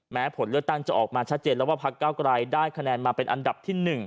แม้ผลเลือกตั้งจะออกมาชัดเจนแล้วว่าพักเก้าไกรได้คะแนนมาเป็นอันดับที่๑